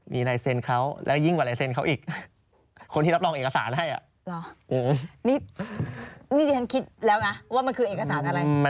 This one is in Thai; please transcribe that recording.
มีรายเซ็นเขาแล้วยิ่งกว่ารายเซ็นเขาอีกคนที่รับรองเอกสารให้อ่ะ